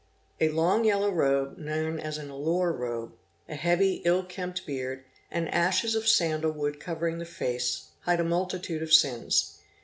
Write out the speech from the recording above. A long yellow robe known as an Ellore robe, a heavy ill kempt beard, and ashes of sandle wood covering the face, hide a multitude of sins.